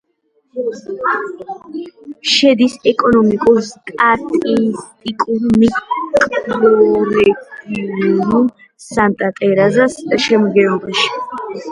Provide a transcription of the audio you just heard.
შედის ეკონომიკურ-სტატისტიკურ მიკრორეგიონ სანტა-ტერეზას შემადგენლობაში.